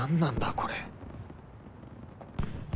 これ